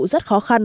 rất khó khăn